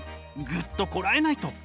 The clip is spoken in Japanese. グッとこらえないと。